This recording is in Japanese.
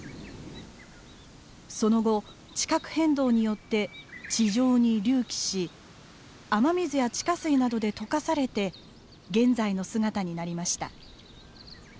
その後地殻変動によって地上に隆起し雨水や地下水などで溶かされて現在の姿になりました。